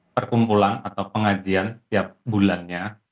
perkumpulan atau pengajian setiap bulannya